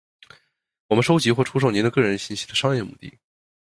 我们收集或出售您的个人信息的商业目的；